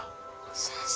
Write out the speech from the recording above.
先生。